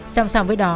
song song với đó